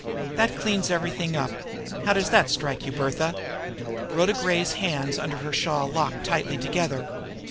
That cleans everything up. How does that strike you, Bertha?" Rhoda Gray's hands under her shawl locked tightly together.